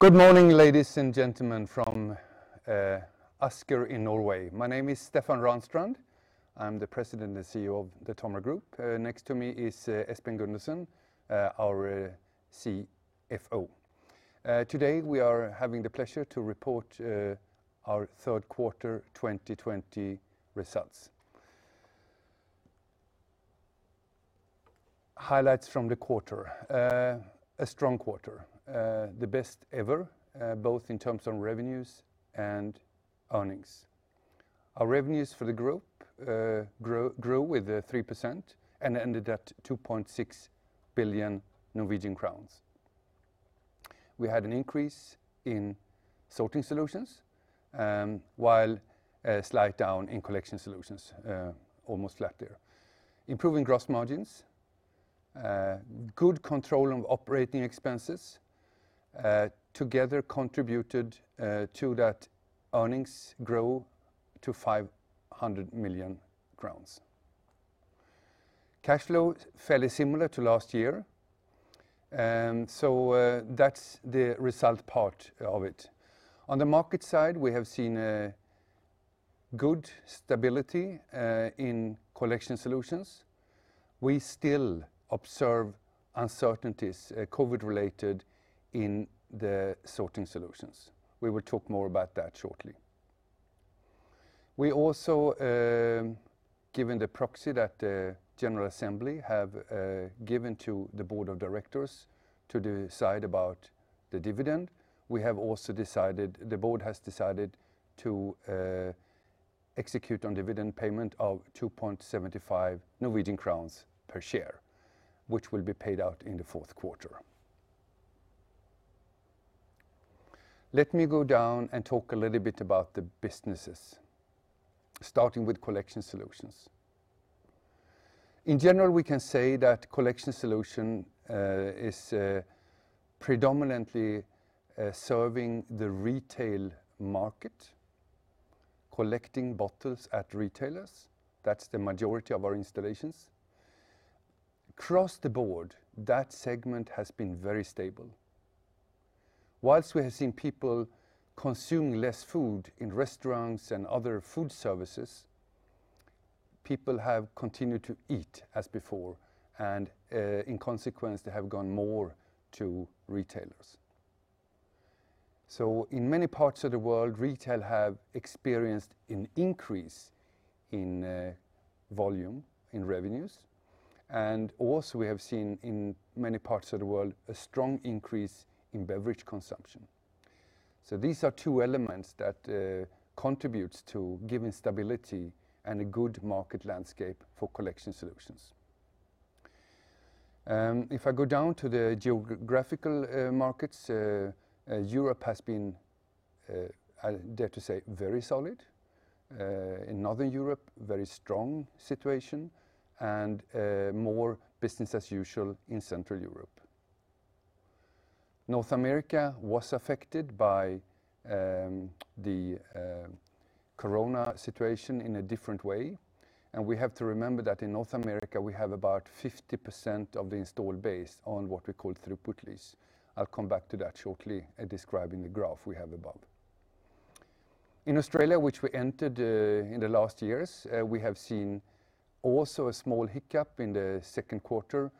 Good morning, ladies and gentlemen, from Asker in Norway. My name is Stefan Ranstrand. I'm the President and CEO of the TOMRA Group. Next to me is Espen Gundersen, our CFO. Today, we are having the pleasure to report our third quarter 2020 results. Highlights from the quarter. A strong quarter, the best ever, both in terms of revenues and earnings. Our revenues for the group grew with 3% and ended at 2.6 billion Norwegian crowns. We had an increase in Sorting Solutions, while a slight down in Collection Solutions, almost flat there. Improving gross margins, good control on operating expenses, together contributed to that earnings grow to 500 million crowns. Cash flow fairly similar to last year. That's the result part of it. On the market side, we have seen good stability in Collection Solutions. We still observe uncertainties, COVID-related, in the Sorting Solutions. We will talk more about that shortly. We also, given the proxy that the general assembly have given to the board of directors to decide about the dividend, the board has decided to execute on dividend payment of 2.75 Norwegian crowns per share, which will be paid out in the fourth quarter. Let me go down and talk a little bit about the businesses, starting with Collection Solutions. In general, we can say that Collection Solutions is predominantly serving the retail market, collecting bottles at retailers. That's the majority of our installations. Across the board, that segment has been very stable. Whilst we have seen people consume less food in restaurants and other food services, people have continued to eat as before, in consequence, they have gone more to retailers. In many parts of the world, retail have experienced an increase in volume, in revenues, and also we have seen, in many parts of the world, a strong increase in beverage consumption. These are two elements that contributes to giving stability and a good market landscape for Collection Solutions. If I go down to the geographical markets, Europe has been, I dare to say, very solid. In Northern Europe, very strong situation, and more business as usual in Central Europe. North America was affected by the corona situation in a different way, and we have to remember that in North America, we have about 50% of the installed base on what we call throughput lease. I'll come back to that shortly, describing the graph we have above. In Australia, which we entered in the last years, we have seen also a small hiccup in the second quarter,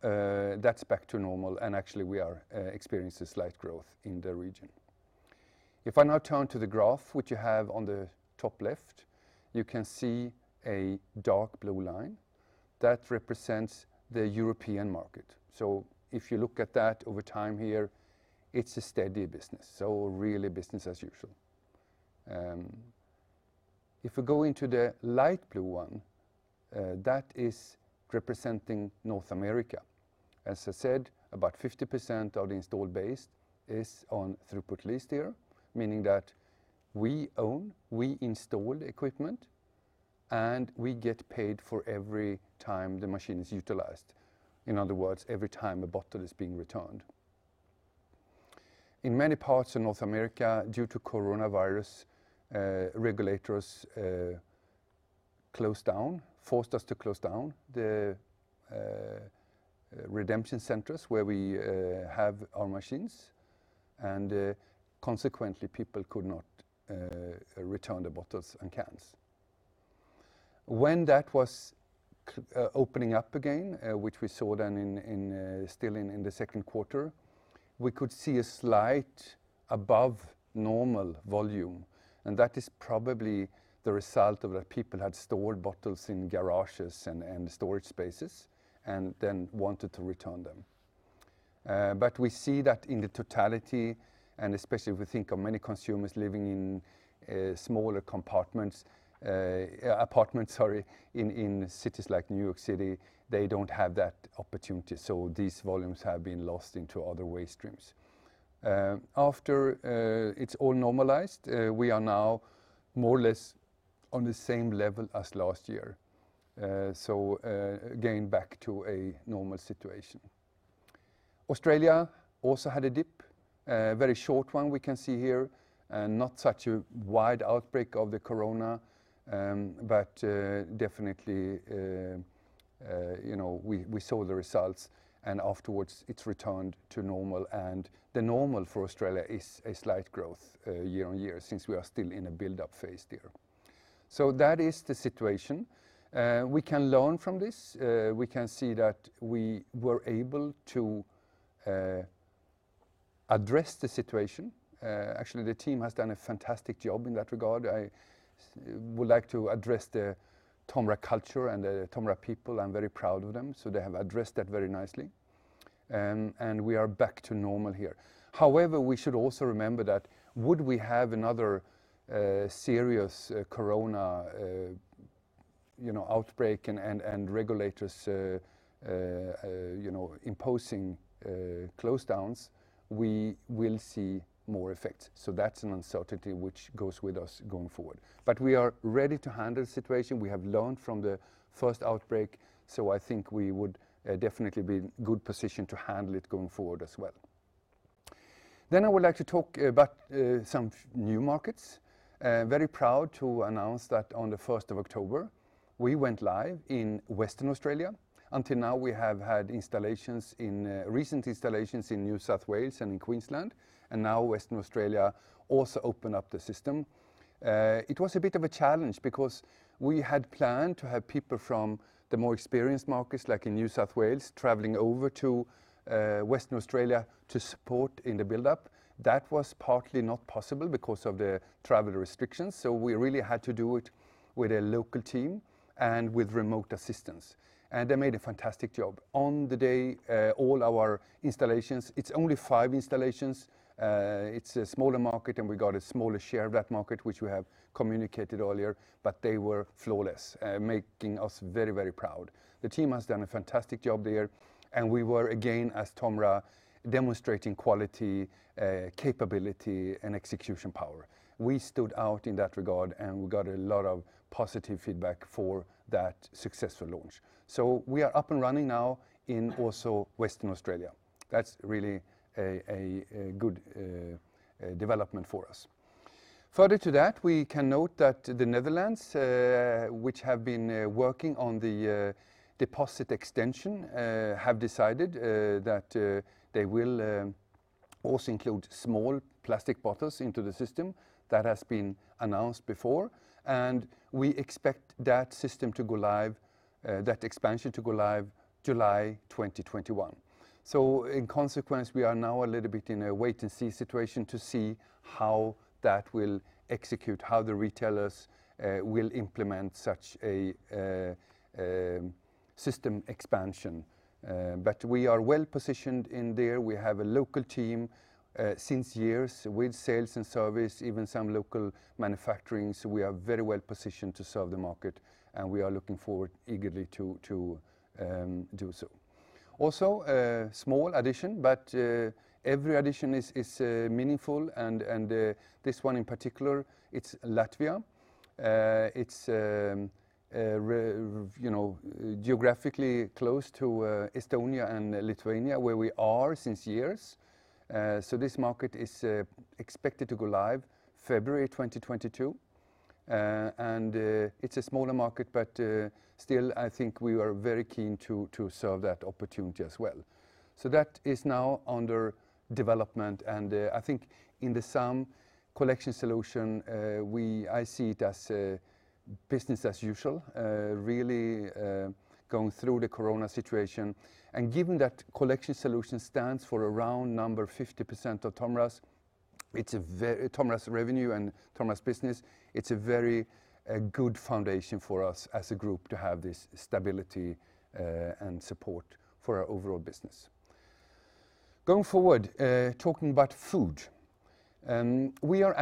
but that's back to normal, and actually, we are experiencing slight growth in the region. If I now turn to the graph, which you have on the top left, you can see a dark blue line. That represents the European market. If you look at that over time here, it's a steady business. Really business as usual. If we go into the light blue one, that is representing North America. As I said, about 50% of the installed base is on throughput lease here, meaning that we own, we install the equipment, and we get paid for every time the machine is utilized. In other words, every time a bottle is being returned. In many parts of North America, due to coronavirus, regulators forced us to close down the redemption centers where we have our machines, and consequently, people could not return the bottles and cans. When that was opening up again, which we saw then still in the second quarter, we could see a slight above normal volume, and that is probably the result of that people had stored bottles in garages and storage spaces and then wanted to return them. We see that in the totality, and especially if we think of many consumers living in smaller apartments in cities like New York City, they don't have that opportunity, so these volumes have been lost into other waste streams. After it's all normalized, we are now more or less on the same level as last year. Again, back to a normal situation. Australia also had a dip, a very short one we can see here, and not such a wide outbreak of the corona. Definitely, we saw the results and afterwards it is returned to normal, and the normal for Australia is a slight growth year on year since we are still in a build-up phase there. That is the situation. We can learn from this. We can see that we were able to address the situation. Actually, the team has done a fantastic job in that regard. I would like to address the TOMRA culture and the TOMRA people. I am very proud of them. They have addressed that very nicely. We are back to normal here. However, we should also remember that would we have another serious corona outbreak and regulators imposing closedowns, we will see more effects. That's an uncertainty which goes with us going forward. We are ready to handle the situation. We have learned from the first outbreak, so I think we would definitely be in a good position to handle it going forward as well. I would like to talk about some new markets. Very proud to announce that on the 1st of October, we went live in Western Australia. Until now we have had recent installations in New South Wales and in Queensland, and now Western Australia also opened up the system. It was a bit of a challenge because we had planned to have people from the more experienced markets, like in New South Wales, traveling over to Western Australia to support in the buildup. That was partly not possible because of the travel restrictions, so we really had to do it with a local team and with remote assistance. They made a fantastic job. On the day, all our installations, it's only five installations. It's a smaller market, and we got a smaller share of that market, which we have communicated earlier, but they were flawless, making us very, very proud. The team has done a fantastic job there, and we were again, as TOMRA, demonstrating quality, capability, and execution power. We stood out in that regard, and we got a lot of positive feedback for that successful launch. We are up and running now in also Western Australia. That's really a good development for us. Further to that, we can note that the Netherlands, which have been working on the deposit extension, have decided that they will also include small plastic bottles into the system. That has been announced before. We expect that expansion to go live July 2021. In consequence, we are now a little bit in a wait and see situation to see how that will execute, how the retailers will implement such a system expansion. We are well-positioned there. We have a local team since years with sales and service, even some local manufacturing, so we are very well positioned to serve the market, and we are looking forward eagerly to do so. Also, a small addition, but every addition is meaningful and this one in particular, it's Latvia. It's geographically close to Estonia and Lithuania, where we are since years. This market is expected to go live February 2022. It's a smaller market, but still, I think we are very keen to serve that opportunity as well. That is now under development, and I think in the SAM Collection Solutions, I see it as business as usual, really going through the corona situation. Given that Collection Solutions stands for around 50% of TOMRA's revenue and TOMRA's business, it's a very good foundation for us as a group to have this stability and support for our overall business. Going forward, talking about Food. We have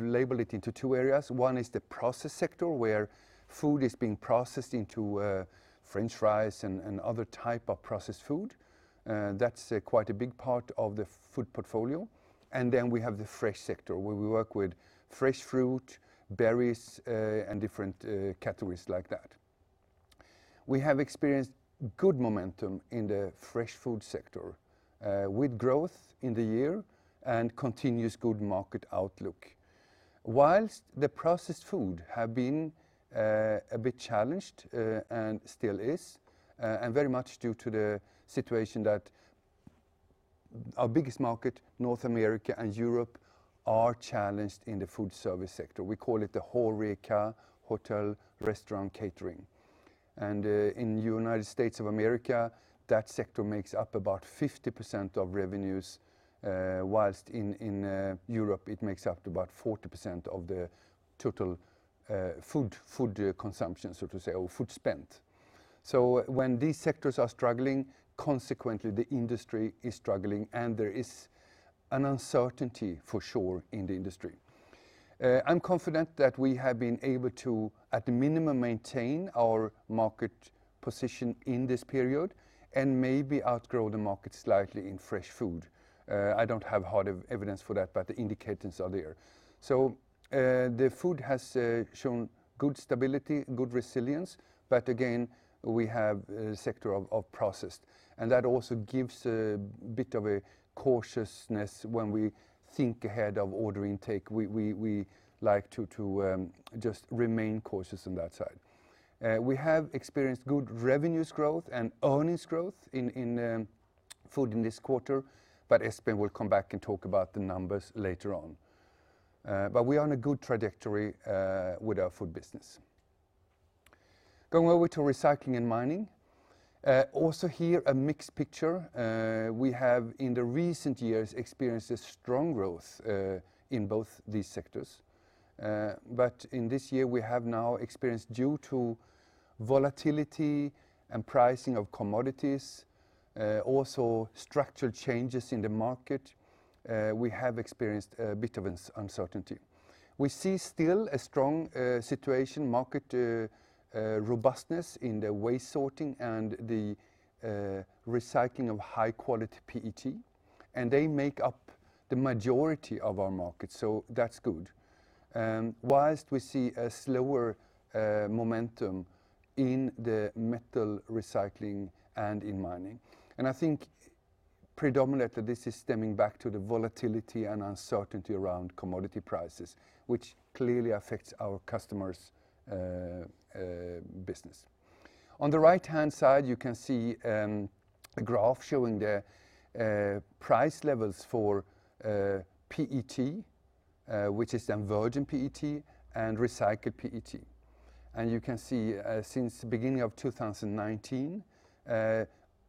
labeled it into two areas. One is the process sector where food is being processed into french fries and other type of processed food. That's quite a big part of the Food portfolio. We have the fresh sector where we work with fresh fruit, berries, and different categories like that. We have experienced good momentum in the fresh food sector, with growth in the year and continuous good market outlook. The processed food have been a bit challenged, and still is, and very much due to the situation that our biggest market, North America and Europe, are challenged in the food service sector. We call it the HoReCa, hotel, restaurant, catering. In United States of America, that sector makes up about 50% of revenues, whilst in Europe, it makes up to about 40% of the total food consumption, so to say, or food spent. When these sectors are struggling, consequently, the industry is struggling, and there is an uncertainty for sure in the industry. I'm confident that we have been able to, at the minimum, maintain our market position in this period and maybe outgrow the market slightly in fresh food. I don't have hard evidence for that, the indicators are there. The Food has shown good stability, good resilience, but again, we have a sector of processed, and that also gives a bit of a cautiousness when we think ahead of order intake. We like to just remain cautious on that side. We have experienced good revenues growth and earnings growth in Food in this quarter, but Espen will come back and talk about the numbers later on. We are on a good trajectory with our Food business. Going over to Recycling and Mining. Also here, a mixed picture. We have, in the recent years, experienced a strong growth in both these sectors. In this year, we have now experienced, due to volatility and pricing of commodities, also structural changes in the market, we have experienced a bit of uncertainty. We see still a strong situation, market robustness in the waste sorting and the recycling of high-quality PET, and they make up the majority of our market, so that's good. Whilst we see a slower momentum in the metal recycling and in mining. I think predominantly this is stemming back to the volatility and uncertainty around commodity prices, which clearly affects our customers' business. On the right-hand side, you can see a graph showing the price levels for PET, which is virgin PET and recycled PET. You can see since the beginning of 2019,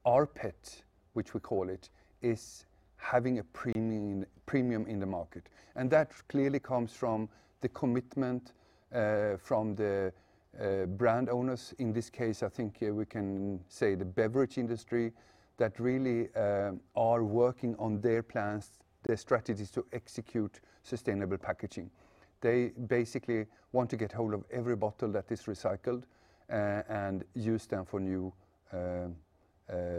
rPET, which we call it, is having a premium in the market. That clearly comes from the commitment from the brand owners, in this case, I think we can say the beverage industry, that really are working on their plans, their strategies to execute sustainable packaging. They basically want to get hold of every bottle that is recycled and use them for new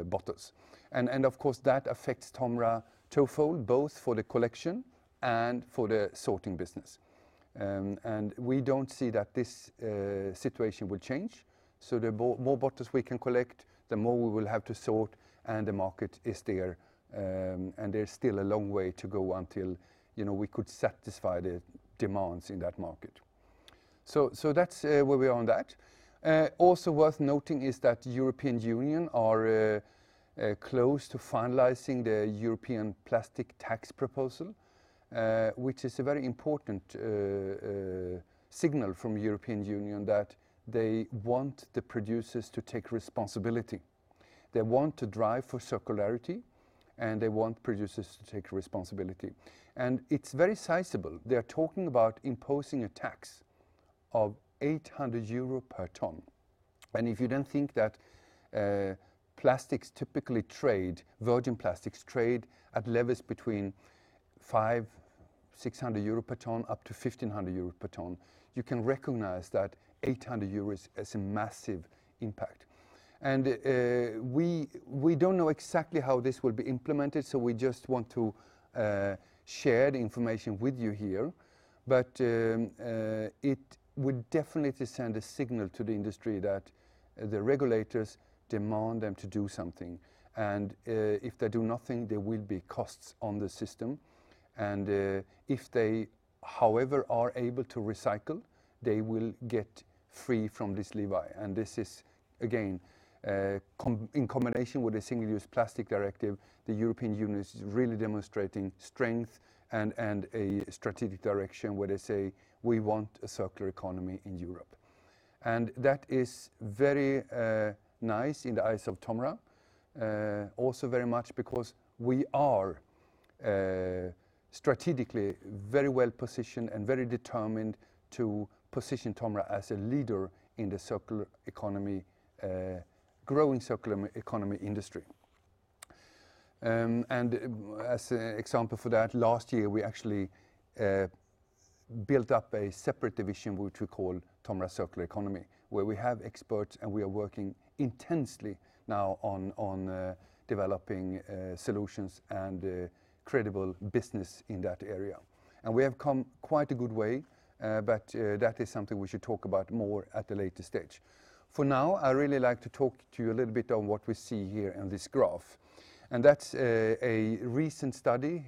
bottles. Of course, that affects TOMRA twofold, both for the collection and for the Sorting business. We don't see that this situation will change. The more bottles we can collect, the more we will have to sort, and the market is there, and there's still a long way to go until we could satisfy the demands in that market. That's where we are on that. Also worth noting is that European Union are close to finalizing the European plastic tax proposal, which is a very important signal from European Union that they want the producers to take responsibility. They want to drive for circularity, and they want producers to take responsibility. It's very sizable. They are talking about imposing a tax of 800 euro per ton. If you then think that plastics typically trade, virgin plastics trade at levels between 500-600 euro per ton, up to 1,500 euro per ton, you can recognize that 800 euros is a massive impact. We don't know exactly how this will be implemented, so we just want to share the information with you here. It would definitely send a signal to the industry that the regulators demand them to do something. If they do nothing, there will be costs on the system, if they, however, are able to recycle, they will get free from this levy. This is, again, in combination with the Single-Use Plastics Directive, the European Union is really demonstrating strength and a strategic direction where they say, "We want a Circular Economy in Europe." That is very nice in the eyes of TOMRA. Also very much because we are strategically very well-positioned and very determined to position TOMRA as a leader in the growing Circular Economy industry. As an example for that, last year, we actually built up a separate division which we call TOMRA Circular Economy, where we have experts, and we are working intensely now on developing solutions and credible business in that area. We have come quite a good way, but that is something we should talk about more at a later stage. For now, I really like to talk to you a little bit on what we see here on this graph. That's a recent study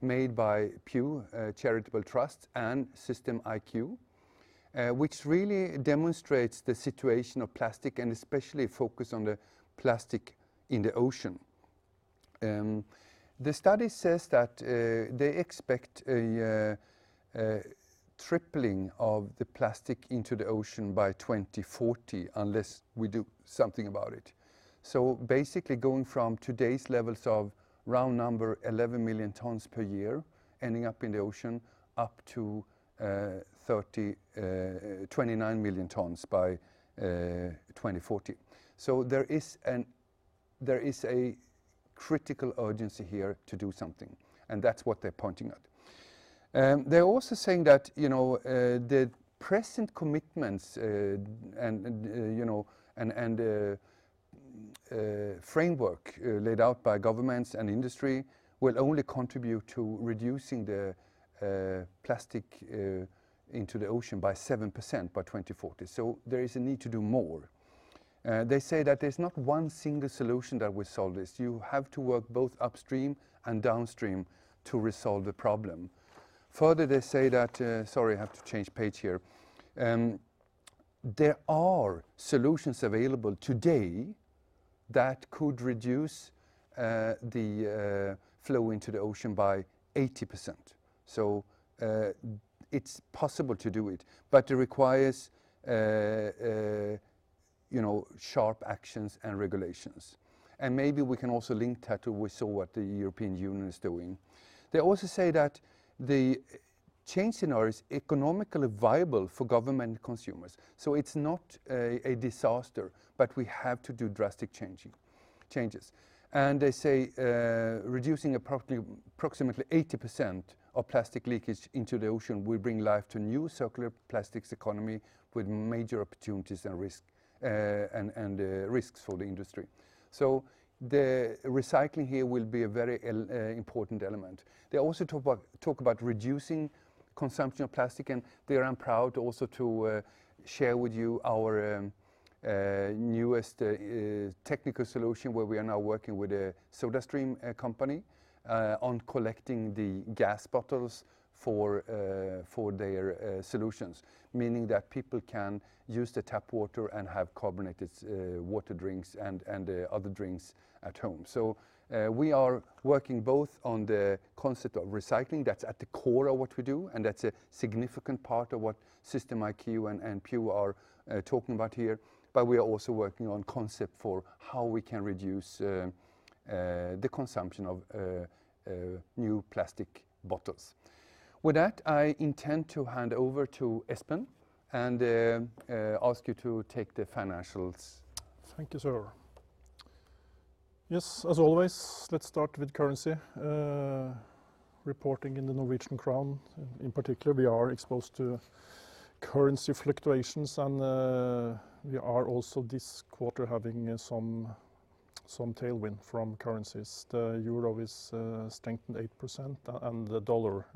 made by The Pew Charitable Trusts and SYSTEMIQ, which really demonstrates the situation of plastic and especially focus on the plastic in the ocean. The study says that they expect a tripling of the plastic into the ocean by 2040 unless we do something about it. Basically going from today's levels of round number 11 million tons per year ending up in the ocean up to 29 million tons by 2040. There is a critical urgency here to do something, and that's what they're pointing at. They're also saying that the present commitments and framework laid out by governments and industry will only contribute to reducing the plastic into the ocean by 7% by 2040. There is a need to do more. They say that there's not one single solution that will solve this. You have to work both upstream and downstream to resolve the problem. Further, they say that - sorry, I have to change page here. There are solutions available today that could reduce the flow into the ocean by 80%. It's possible to do it, but it requires sharp actions and regulations. Maybe we can also link that to we saw what the European Union is doing. They also say that the change scenario is economically viable for government consumers. It's not a disaster, but we have to do drastic changes. They say reducing approximately 80% of plastic leakage into the ocean will bring life to new circular plastics economy with major opportunities and risks for the industry. The recycling here will be a very important element. They also talk about reducing consumption of plastic, there I'm proud also to share with you our newest technical solution where we are now working with a SodaStream company on collecting the gas bottles for their solutions. Meaning that people can use the tap water and have carbonated water drinks and other drinks at home. We are working both on the concept of recycling, that's at the core of what we do, and that's a significant part of what SYSTEMIQ and Pew are talking about here. We are also working on concept for how we can reduce the consumption of new plastic bottles. With that, I intend to hand over to Espen and ask you to take the financials. Thank you, sir. Yes, as always, let's start with currency reporting in Norwegian Krone. In particular, we are exposed to currency fluctuations and we are also this quarter having some tailwind from currencies. The euro has strengthened 8% and the dollar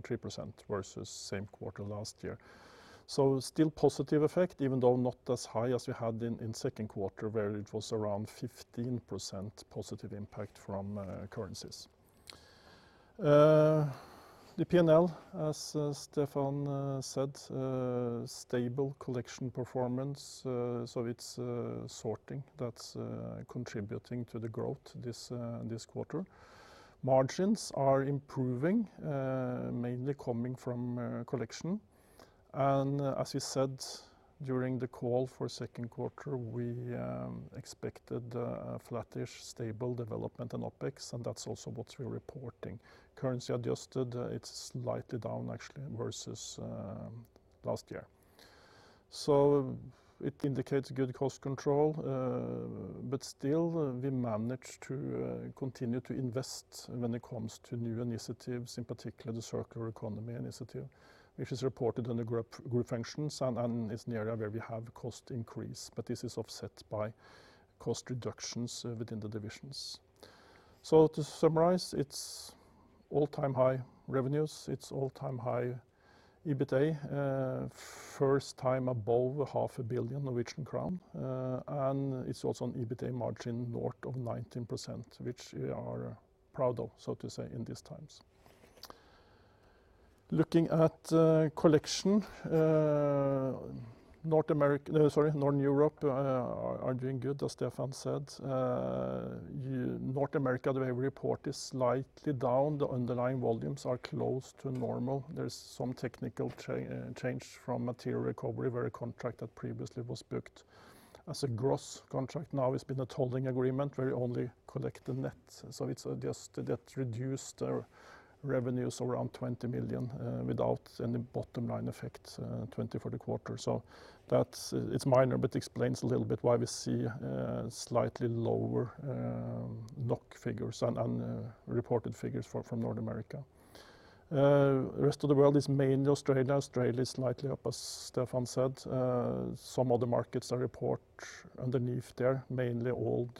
3% versus same quarter last year. Still positive effect, even though not as high as we had in second quarter, where it was around 15%+ impact from currencies. The P&L, as Stefan said, stable collection performance, so it's Sorting that's contributing to the growth this quarter. Margins are improving, mainly coming from collection. As we said during the call for second quarter, we expected a flattish stable development in OpEx, and that's also what we're reporting. Currency adjusted, it's slightly down actually versus last year. It indicates good cost control, but still, we manage to continue to invest when it comes to new initiatives, in particular the Circular Economy initiative, which is reported under Group Functions and is an area where we have cost increase. This is offset by cost reductions within the divisions. To summarize, it's all-time high revenues. It's all-time high EBITA, first time above 500 million Norwegian crown. It's also an EBITA margin north of 19%, which we are proud of, so to say, in these times. Looking at Collection, Northern Europe are doing good, as Stefan said. North America, the way we report, is slightly down. The underlying volumes are close to normal. There's some technical change from material recovery where a contract that previously was booked as a gross contract, now has been a tolling agreement where we only collect the net. it's just that reduced our revenues around 20 million without any bottom-line effect, 20 million for the quarter. It's minor, but explains a little bit why we see slightly lower NOK figures and reported figures from North America. Rest of the world is mainly Australia. Australia is slightly up, as Stefan said. Some other markets I report underneath there, mainly old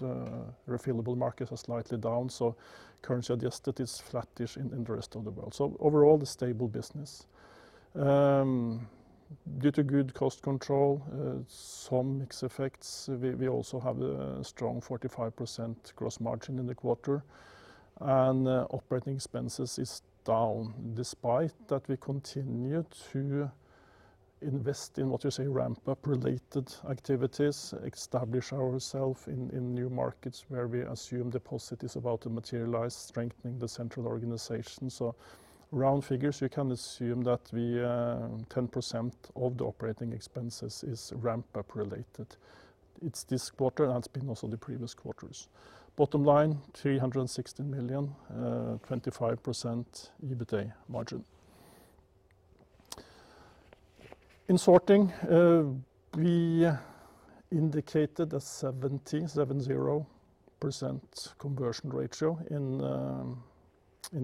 refillable markets are slightly down. Currency adjusted is flattish in the rest of the world. Overall, the stable business. Due to good cost control, some mix effects, we also have a strong 45% gross margin in the quarter, and operating expenses is down, despite that we continue to invest in what you say ramp-up related activities, establish ourself in new markets where we assume deposit is about to materialize, strengthening the central organization. Round figures, we can assume that 10% of the operating expenses is ramp-up related. It's this quarter, and it's been also the previous quarters. Bottom line, 316 million, 25% EBITA margin. In Sorting, we indicated a 70% conversion ratio in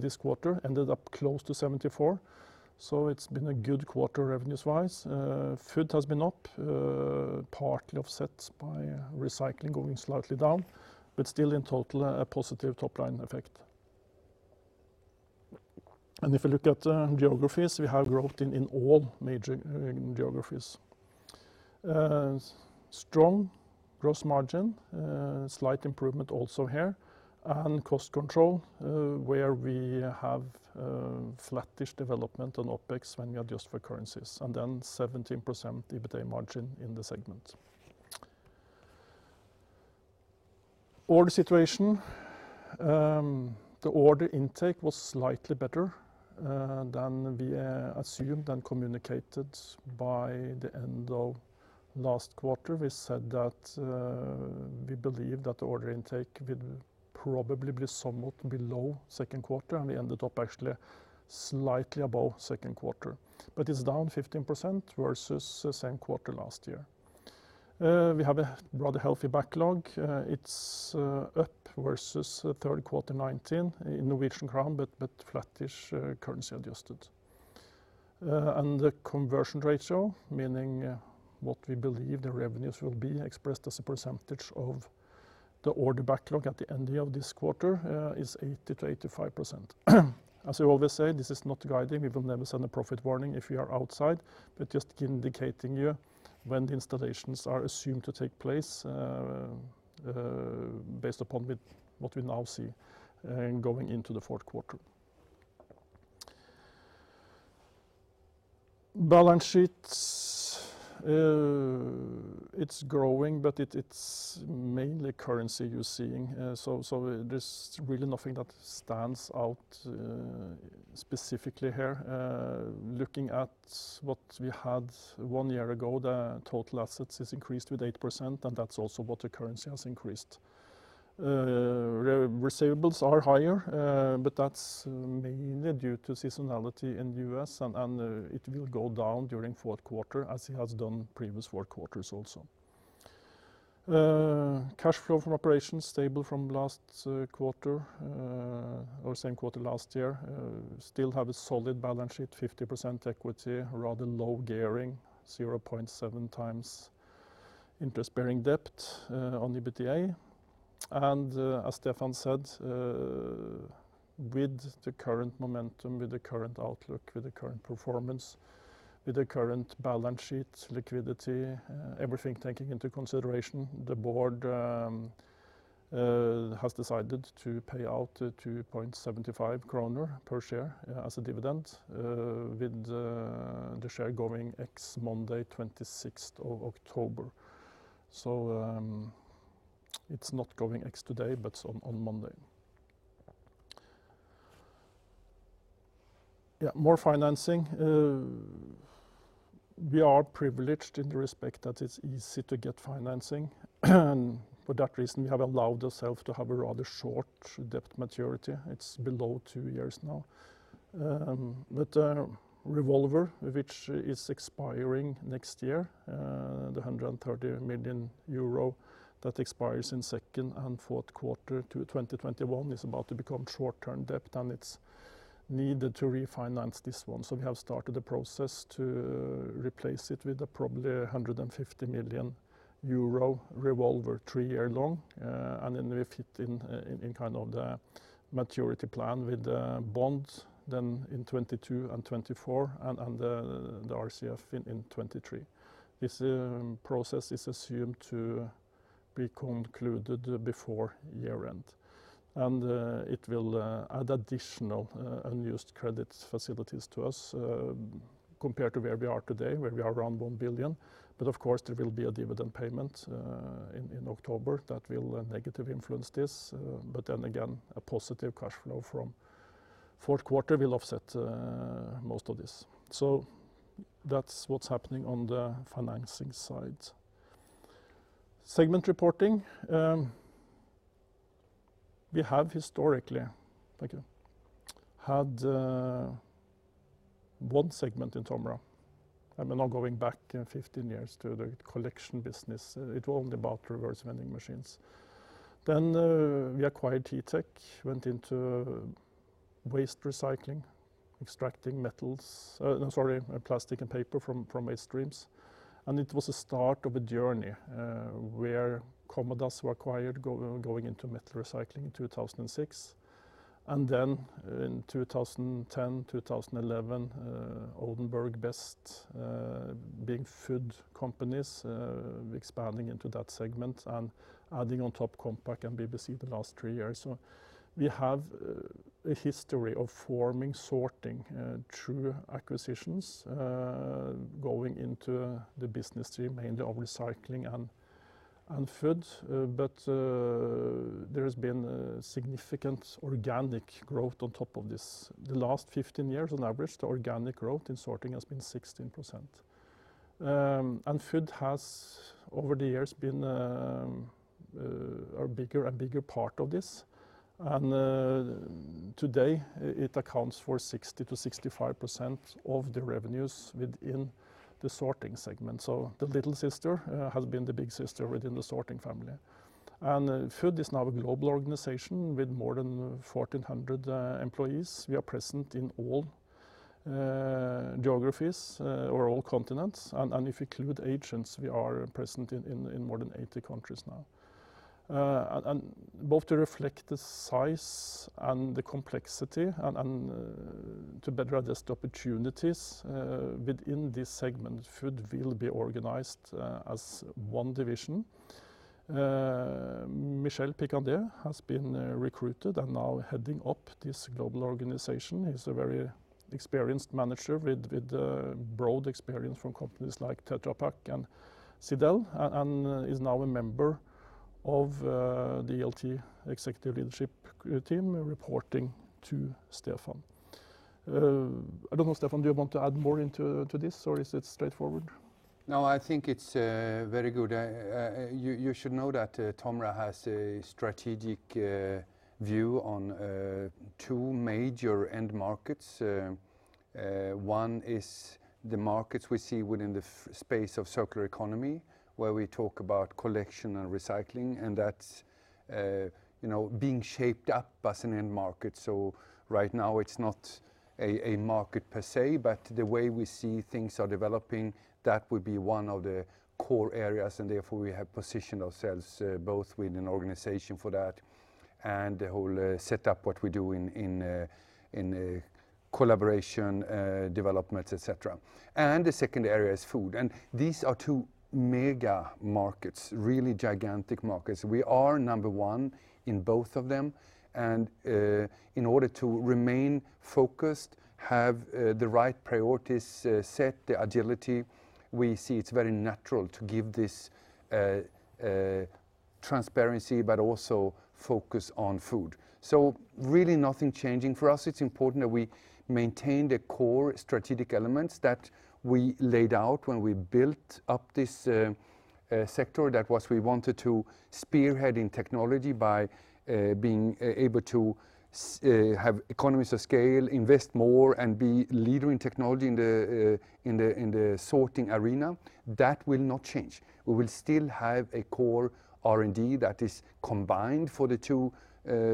this quarter, ended up close to 74%. It's been a good quarter revenues-wise. Food has been up, partly offset by Recycling going slightly down, but still in total, a positive top-line effect. If you look at geographies, we have growth in all major geographies. Strong gross margin, slight improvement also here, and cost control, where we have flattish development on OpEx when we adjust for currencies, and then 17% EBITDA margin in the segment. Order situation. The order intake was slightly better than we assumed and communicated by the end of last quarter. We said that we believe that the order intake will probably be somewhat below second quarter. We ended up actually slightly above second quarter. It's down 15% versus the same quarter last year. We have a rather healthy backlog. It's up versus the third quarter 2019 in Norwegian Krone, flattish currency adjusted. The conversion ratio, meaning what we believe the revenues will be expressed as a percentage of the order backlog at the end of this quarter is 80%-85%. As we always say, this is not guiding. We will never send a profit warning if we are outside, just indicating you when the installations are assumed to take place based upon what we now see going into the fourth quarter. Balance sheets. It's growing, it's mainly currency you're seeing. There's really nothing that stands out specifically here. Looking at what we had one year ago, the total assets has increased with 8%, and that's also what the currency has increased. Receivables are higher, but that's mainly due to seasonality in the U.S., and it will go down during fourth quarter as it has done previous four quarters also. Cash flow from operations is stable from last quarter, or same quarter last year. We still have a solid balance sheet, 50% equity, rather low gearing, 0.7x interest-bearing debt on the EBITDA. As Stefan said, with the current momentum, with the current outlook, with the current performance, with the current balance sheet liquidity, everything taken into consideration, the board has decided to pay out 2.75 kroner per share as a dividend with the share going ex Monday, 26th of October. It's not going ex today, but on Monday. More financing. We are privileged in the respect that it's easy to get financing. For that reason, we have allowed ourselves to have a rather short debt maturity. It's below two years now. Revolver, which is expiring next year, the 130 million euro that expires in second and fourth quarter to 2021 is about to become short-term debt. It's needed to refinance this one. We have started the process to replace it with probably 150 million euro revolver, three-year long, and then we fit in the maturity plan with the bonds then in 2022 and 2024 and the RCF in 2023. This process is assumed to be concluded before year-end. It will add additional unused credit facilities to us compared to where we are today, where we are around 1 billion. Of course, there will be a dividend payment in October that will negatively influence this. A positive cash flow from fourth quarter will offset most of this. That's what's happening on the financing side. Segment reporting. We have historically, thank you, had one segment in TOMRA. I mean, now going back 15 years to the Collection business, it was only about reverse vending machines. We acquired TiTech, went into waste recycling, extracting plastic and paper from waste streams. It was a start of a journey where CommoDaS were acquired going into metal recycling in 2006. In 2010, 2011, Odenberg, BEST, big food companies expanding into that segment and adding on top Compac and BBC the last three years. We have a history of forming Sorting through acquisitions, going into the business stream mainly of Recycling and Food. There has been a significant organic growth on top of this. The last 15 years, on average, the organic growth in Sorting has been 16%. Food has, over the years, been a bigger and bigger part of this. Today, it accounts for 60%-65% of the revenues within the Sorting segment. The little sister has been the big sister within the Sorting family. Food is now a global organization with more than 1,400 employees. We are present in all geographies or all continents, and if you include agents, we are present in more than 80 countries now. Both to reflect the size and the complexity and to better adjust opportunities within this segment, Food will be organized as one division. Michel Picandet has been recruited and now heading up this global organization. He's a very experienced manager with broad experience from companies like Tetra Pak and Sidel, is now a member of the ELT executive leadership team, reporting to Stefan. I don't know, Stefan, do you want to add more into this, or is it straightforward? No, I think it's very good. You should know that TOMRA has a strategic view on two major end markets. One is the markets we see within the space of Circular Economy, where we talk about Collection and Recycling, that's being shaped up as an end market. Right now, it's not a market per se, but the way we see things are developing, that would be one of the core areas, and therefore we have positioned ourselves both with an organization for that and the whole setup, what we do in collaboration, developments, et cetera. The second area is Food, and these are two mega markets, really gigantic markets. We are number one in both of them. In order to remain focused, have the right priorities set, the agility, we see it's very natural to give this transparency, but also focus on Food. Really nothing changing. For us, it's important that we maintain the core strategic elements that we laid out when we built up this sector. We wanted to spearhead in technology by being able to have economies of scale, invest more, and be leader in technology in the Sorting arena. That will not change. We will still have a core R&D that is combined for the two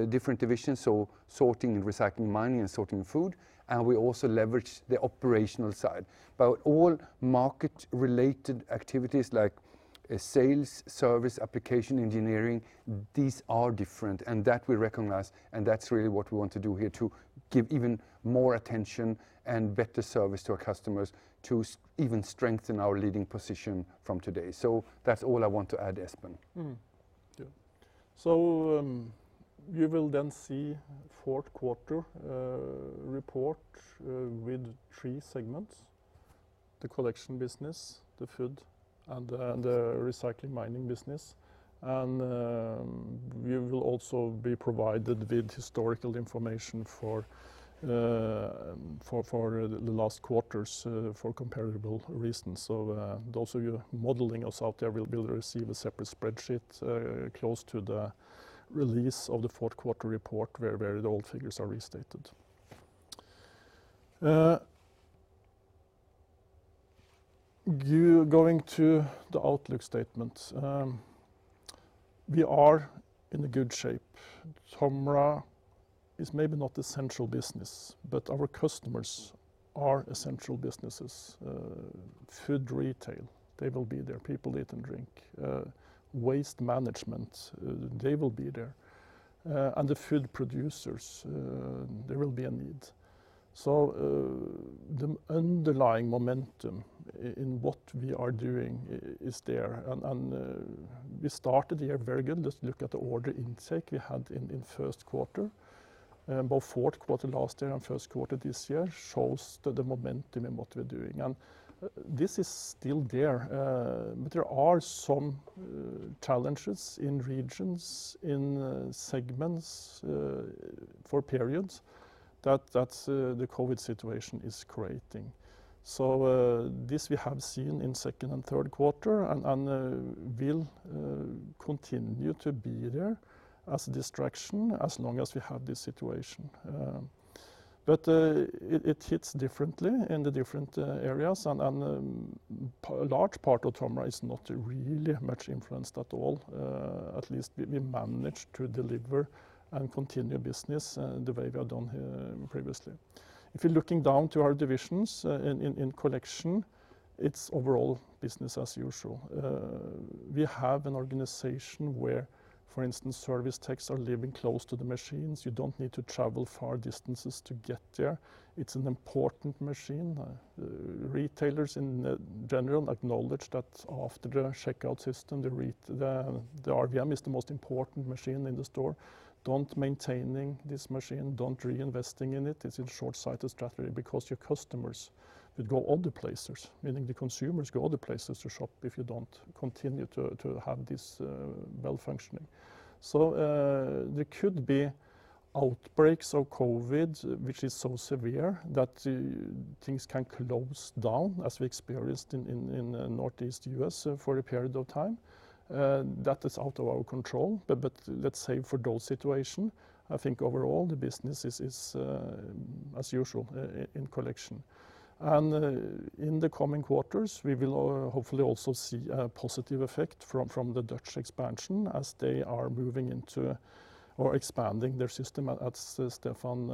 different divisions, Sorting and Recycling, Mining and Sorting Food, and we also leverage the operational side. All market-related activities like sales, service, application, engineering, these are different, and that we recognize, and that's really what we want to do here to give even more attention and better service to our customers to even strengthen our leading position from today. That's all I want to add, Espen. Good. You will then see fourth quarter report with three segments, the Collection business, the Food, and the Recycling Mining business. We will also be provided with historical information for the last quarters for comparable reasons. Those of you modeling us out there will be able to receive a separate spreadsheet close to the release of the fourth-quarter report where the old figures are restated. Going to the outlook statement. We are in a good shape. TOMRA is maybe not essential business, but our customers are essential businesses. Food retail, they will be there. People eat and drink. Waste management, they will be there. The food producers, there will be a need. The underlying momentum in what we are doing is there, and we started the year very good. Just look at the order intake we had in first quarter. Both fourth quarter last year and first quarter this year shows the momentum in what we're doing, and this is still there. There are some challenges in regions, in segments, for periods, that the COVID situation is creating. This we have seen in second and third quarter and will continue to be there as a distraction as long as we have this situation. It hits differently in the different areas, and a large part of TOMRA is not really much influenced at all. At least we manage to deliver and continue business the way we have done previously. If you're looking down to our divisions, in Collection, it's overall business as usual. We have an organization where, for instance, service techs are living close to the machines. You don't need to travel far distances to get there. It's an important machine. Retailers in general acknowledge that after the checkout system, the RVM is the most important machine in the store. Don't maintaining this machine, don't reinvesting in it, is a shortsighted strategy because your customers would go other places, meaning the consumers go other places to shop if you don't continue to have this well-functioning. There could be outbreaks of COVID, which is so severe that things can close down as we experienced in Northeast U.S. for a period of time. That is out of our control. Let's say for those situation, I think overall the business is as usual in Collection. In the coming quarters, we will hopefully also see a positive effect from the Dutch expansion as they are moving into or expanding their system, as Stefan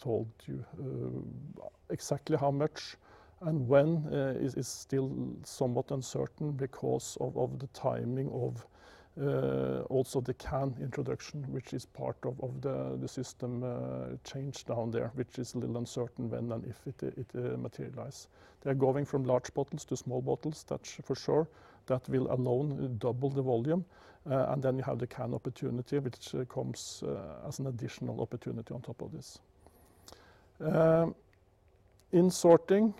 told you. Exactly how much and when, is still somewhat uncertain because of the timing of also the can introduction, which is part of the system change down there, which is a little uncertain when and if it materialize. They are going from large bottles to small bottles, that is for sure. That will alone double the volume. Then you have the can opportunity, which comes as an additional opportunity on top of this. In Sorting,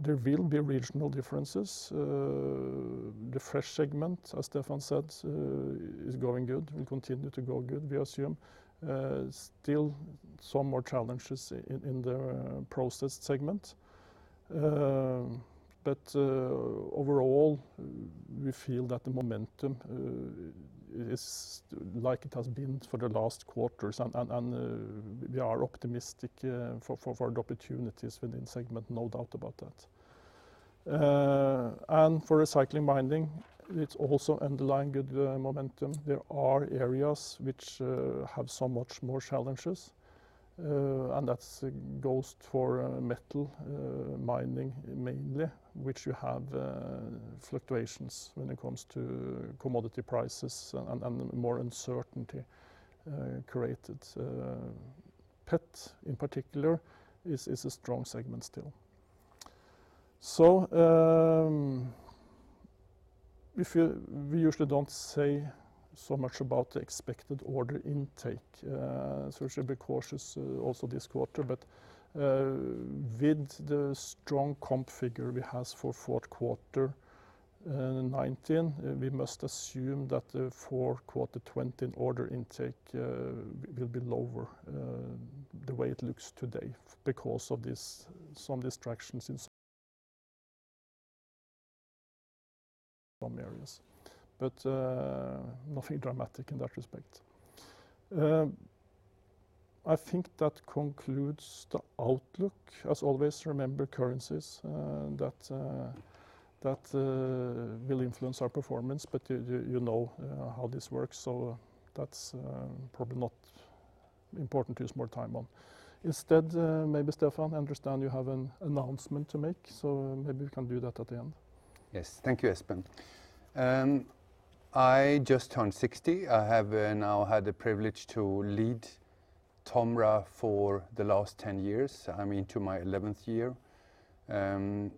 there will be regional differences. The fresh segment, as Stefan said, is going good, will continue to go good, we assume. Still some more challenges in the processed segment. Overall, we feel that the momentum is like it has been for the last quarters, and we are optimistic for the opportunities within segment, no doubt about that. For recycling mining, it is also underlying good momentum. There are areas which have so much more challenges. That goes for metal mining mainly, which you have fluctuations when it comes to commodity prices and more uncertainty created. PET, in particular, is a strong segment still. We usually don't say so much about the expected order intake. We should be cautious also this quarter, but with the strong comp figure we have for fourth quarter in 2019, we must assume that for quarter 2020, order intake will be lower, the way it looks today because of some distractions in some areas. Nothing dramatic in that respect. I think that concludes the outlook. As always, remember currencies, that will influence our performance. You know how this works, that's probably not important to use more time on. Instead, maybe Stefan, I understand you have an announcement to make, so maybe we can do that at the end. Yes. Thank you, Espen. I just turned 60. I have now had the privilege to lead TOMRA for the last 10 years. I am into my 11th year. I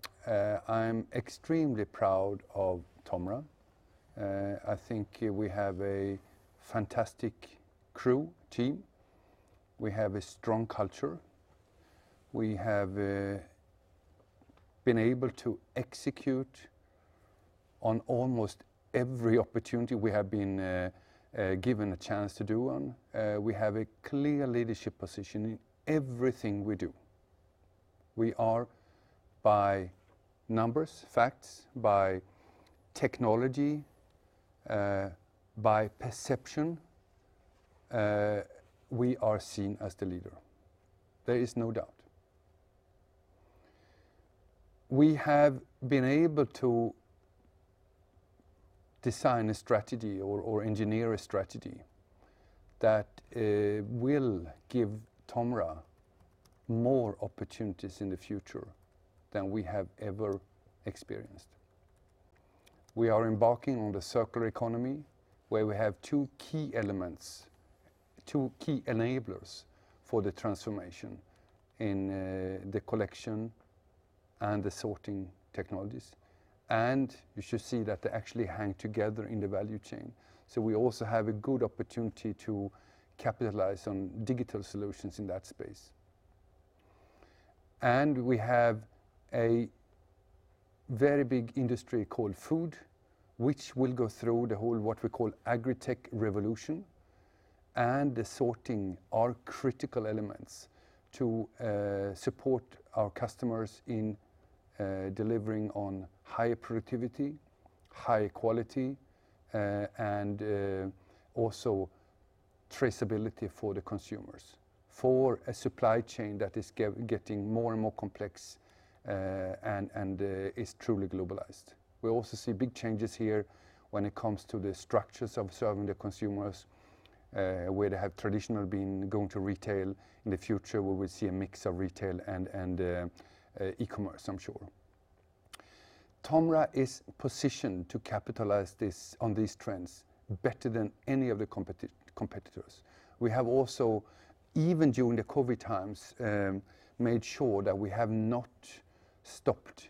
am extremely proud of TOMRA. I think we have a fantastic crew, team. We have a strong culture. We have been able to execute on almost every opportunity we have been given a chance to do one. We have a clear leadership position in everything we do. We are by numbers, facts, by technology, by perception, we are seen as the leader. There is no doubt. We have been able to design a strategy or engineer a strategy that will give TOMRA more opportunities in the future than we have ever experienced. We are embarking on the Circular Economy, where we have two key elements, two key enablers for the transformation in the Collection and the Sorting technologies. You should see that they actually hang together in the value chain. We also have a good opportunity to capitalize on digital solutions in that space. We have a very big industry called Food, which will go through the whole what we call agritech revolution, and the Sorting are critical elements to support our customers in delivering on higher productivity, higher quality, and also traceability for the consumers, for a supply chain that is getting more and more complex, and is truly globalized. We also see big changes here when it comes to the structures of serving the consumers, where they have traditional been going to retail. In the future, we will see a mix of retail and e-commerce, I'm sure. TOMRA is positioned to capitalize on these trends better than any of the competitors. We have also, even during the COVID times, made sure that we have not stopped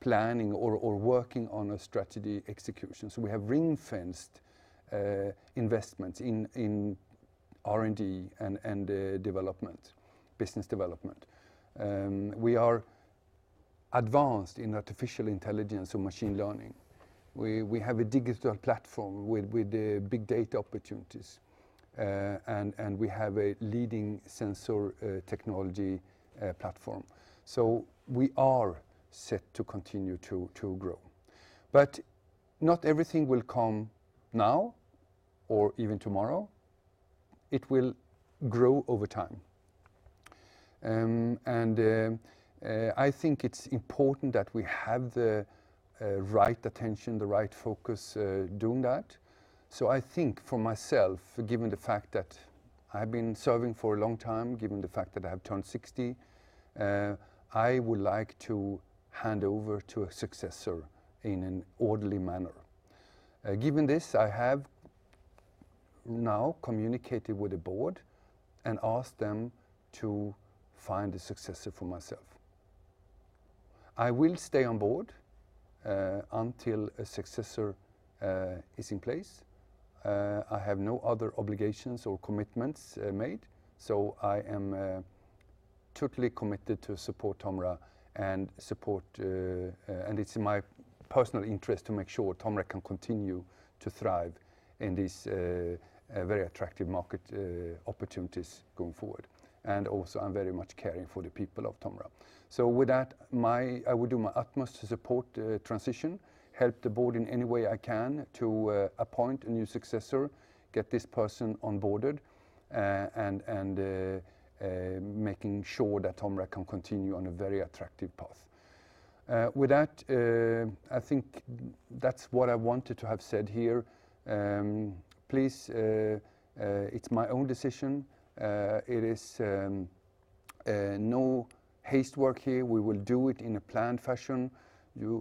planning or working on a strategy execution. We have ring-fenced investments in R&D and development, business development. We are advanced in artificial intelligence and machine learning. We have a digital platform with big data opportunities, and we have a leading sensor technology platform. We are set to continue to grow. Not everything will come now or even tomorrow. It will grow over time. I think it's important that we have the right attention, the right focus doing that. I think for myself, given the fact that I've been serving for a long time, given the fact that I have turned 60, I would like to hand over to a successor in an orderly manner. Given this, I have now communicated with the board and asked them to find a successor for myself. I will stay on board until a successor is in place. I have no other obligations or commitments made, so I am totally committed to support TOMRA, and it's in my personal interest to make sure TOMRA can continue to thrive in these very attractive market opportunities going forward, and also I'm very much caring for the people of TOMRA. With that, I will do my utmost to support transition, help the board in any way I can to appoint a new successor, get this person onboarded, and making sure that TOMRA can continue on a very attractive path. With that, I think that's what I wanted to have said here. Please, it's my own decision. It is no haste work here. We will do it in a planned fashion.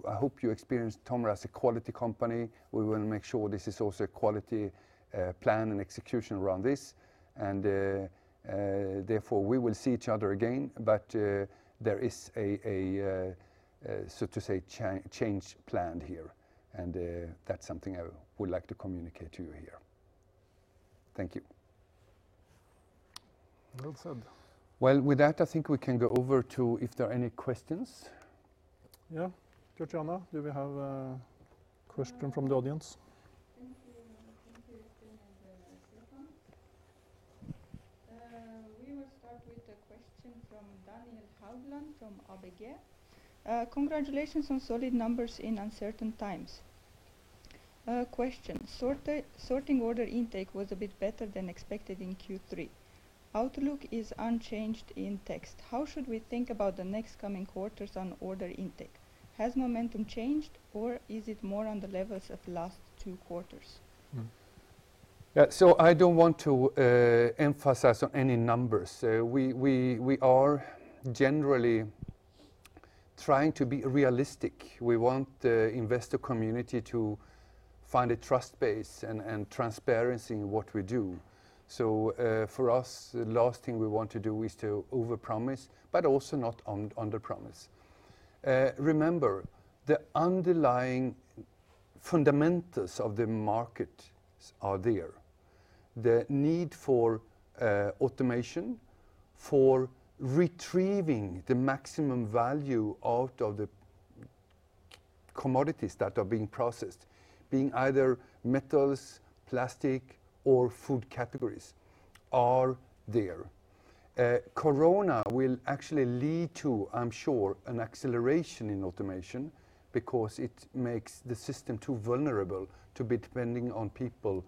I hope you experience TOMRA as a quality company. We want to make sure this is also a quality plan and execution around this. Therefore, we will see each other again, but there is a, so to say, change planned here, and that's something I would like to communicate to you here. Thank you. Well said. Well, with that, I think we can go over to if there are any questions. Yeah. Katjana, do we have a question from the audience? Thank you. Thank you, Espen and Stefan. We will start with a question from Daniel Haugland from ABG. Congratulations on solid numbers in uncertain times. Question, Sorting order intake was a bit better than expected in Q3. Outlook is unchanged in text. How should we think about the next coming quarters on order intake? Has momentum changed, or is it more on the levels of last two quarters? I don't want to emphasize on any numbers. We are generally trying to be realistic. We want the investor community to find a trust base and transparency in what we do. For us, the last thing we want to do is to overpromise, but also not underpromise. Remember, the underlying fundamentals of the markets are there. The need for automation, for retrieving the maximum value out of the commodities that are being processed, being either metals, plastic, or food categories are there. Corona will actually lead to, I'm sure, an acceleration in automation because it makes the system too vulnerable to be depending on people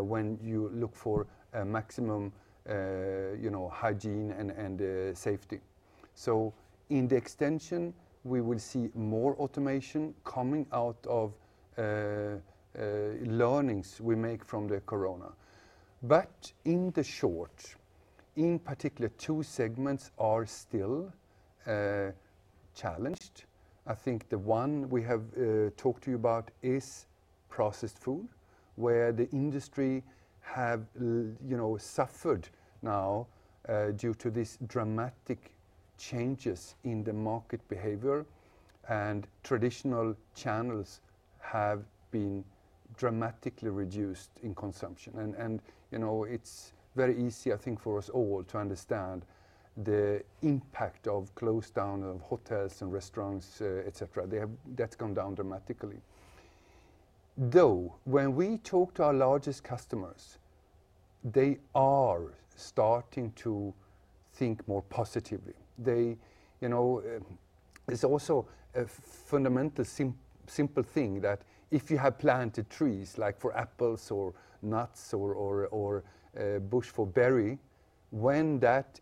when you look for maximum hygiene and safety. In the extension, we will see more automation coming out of learnings we make from the corona. In the short, in particular, two segments are still challenged. I think the one we have talked to you about is processed food, where the industry have suffered now due to these dramatic changes in the market behavior, and traditional channels have been dramatically reduced in consumption. It's very easy, I think, for us all to understand the impact of close down of hotels and restaurants, et cetera. That's gone down dramatically. Though, when we talk to our largest customers, they are starting to think more positively. There's also a fundamental simple thing that if you have planted trees, like for apples or nuts or a bush for berry, when that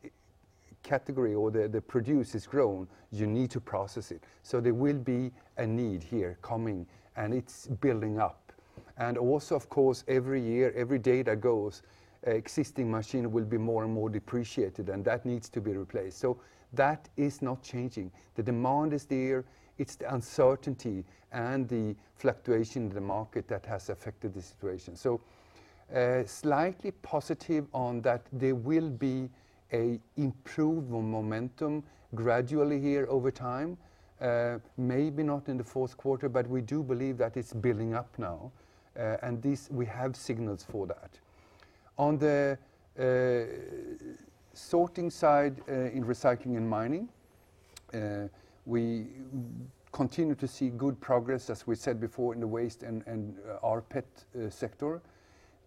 category or the produce is grown, you need to process it. There will be a need here coming, and it's building up. Also, of course, every year, every day that goes, existing machine will be more and more depreciated, and that needs to be replaced. That is not changing. The demand is there. It's the uncertainty and the fluctuation in the market that has affected the situation. Slightly positive on that, there will be an improvement momentum gradually here over time. Maybe not in the fourth quarter, but we do believe that it's building up now, and we have signals for that. On the Sorting side in Recycling and Mining, we continue to see good progress, as we said before, in the waste and rPET sector.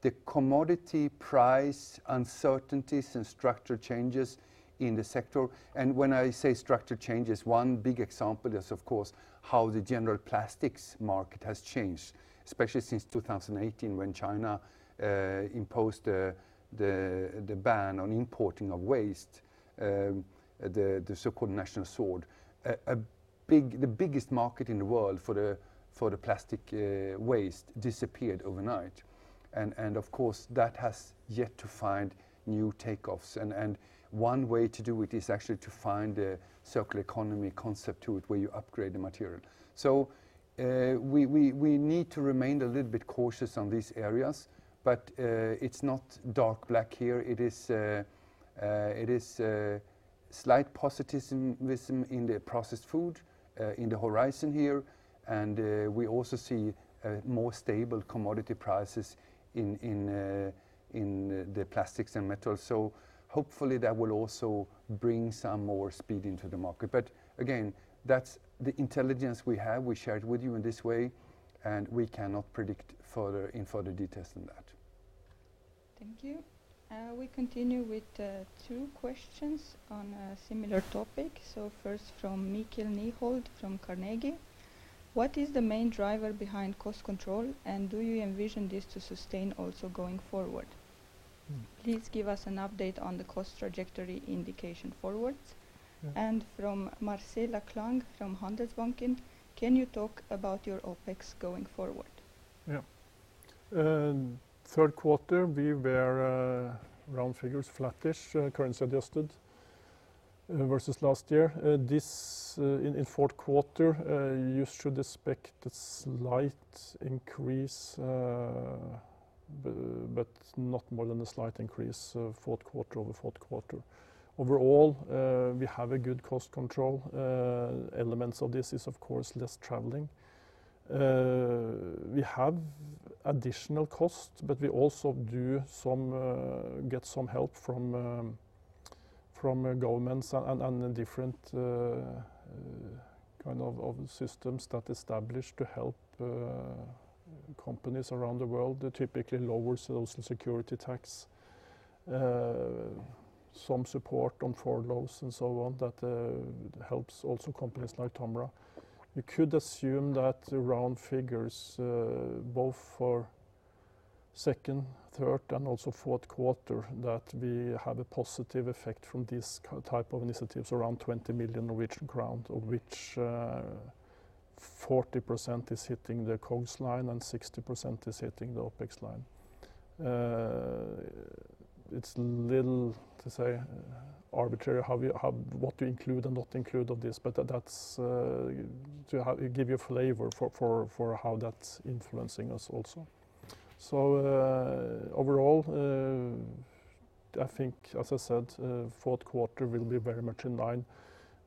The commodity price uncertainties and structure changes in the sector, and when I say structure changes, one big example is, of course, how the general plastics market has changed, especially since 2018 when China imposed the ban on importing of waste, the so-called National Sword. The biggest market in the world for plastic waste disappeared overnight, and of course, that has yet to find new takeoffs. One way to do it is actually to find a Circular Economy concept to it, where you upgrade the material. We need to remain a little bit cautious on these areas, but it's not dark black here. It is slight positivism in the processed food in the horizon here, and we also see more stable commodity prices in the plastics and metals. Hopefully, that will also bring some more speed into the market. Again, that's the intelligence we have. We share it with you in this way, and we cannot predict in further details than that. Thank you. We continue with two questions on a similar topic. First from Mikkel Nyholt from Carnegie: "What is the main driver behind cost control, and do you envision this to sustain also going forward? Please give us an update on the cost trajectory indication forwards." From Marcela Klang from Handelsbanken: "Can you talk about your OpEx going forward? Yeah. Third quarter, we were, round figures, flattish, currency adjusted, versus last year. In fourth quarter, you should expect a slight increase, but not more than a slight increase over fourth quarter. Overall, we have a good cost control. Elements of this is, of course, less traveling. We have additional costs, but we also get some help from governments and the different kind of systems that establish to help companies around the world. They typically lower social security tax, some support on furloughs and so on, that helps also companies like TOMRA. You could assume that the round figures, both for second, third, and also fourth quarter, that we have a positive effect from these type of initiatives, around 20 million Norwegian crowns, of which 40% is hitting the COGS line and 60% is hitting the OpEx line. It's a little arbitrary what we include and not include on this, but that's to give you a flavor for how that's influencing us also. Overall, I think, as I said, fourth quarter will be very much in line